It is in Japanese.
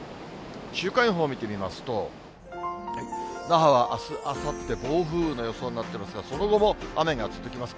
週間予報見てみますと、那覇はあす、あさって、暴風の予想になってますが、その後も雨が続きます。